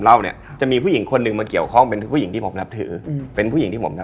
แล้วที่ผมบอกว่า